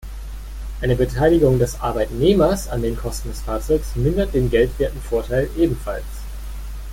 Eine Beteiligung des Arbeitnehmers an den Kosten des Fahrzeugs mindert den geldwerten Vorteil ebenfalls.